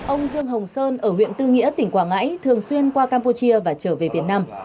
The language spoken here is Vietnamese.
ông dương hồng sơn ở huyện tư nghĩa tỉnh quảng ngãi thường xuyên qua campuchia và trở về việt nam